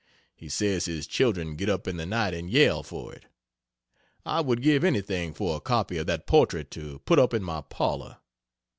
He says his children get up in the night and yell for it. I would give anything for a copy of that portrait to put up in my parlor.